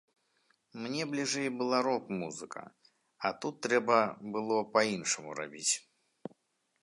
Мне бліжэй была рок-музыка, а тут трэба было па-іншаму рабіць.